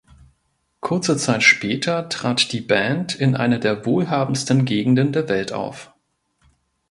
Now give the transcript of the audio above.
Kurze Zeit später trat die Band in einer der wohlhabendsten Gegenden der Welt auf.